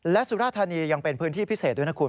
และสุราธานียังเป็นพื้นที่พิเศษด้วยนะคุณ